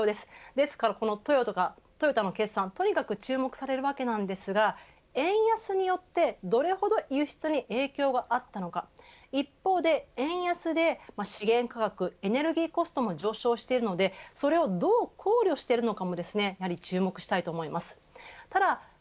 ですから、このトヨタの決算とにかく注目されるわけですが円安によってどれほど輸出に影響があったのか一方で、円安で資源価格、エネルギーコストも上昇しているのでそれをどう考慮しているのかもやはり注目したいです。